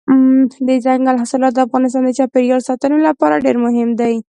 دځنګل حاصلات د افغانستان د چاپیریال ساتنې لپاره ډېر مهم دي.